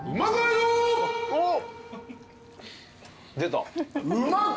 出た。